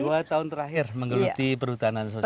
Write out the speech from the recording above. dua tahun terakhir menggeluti perhutanan sosial